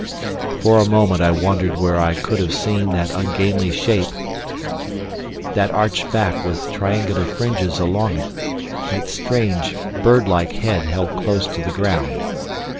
For a moment I wondered where I could have seen that ungainly shape, that arched back with triangular fringes along it, that strange bird like head held close to the ground.